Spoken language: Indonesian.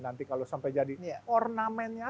nanti kalau sampai jadi ornamennya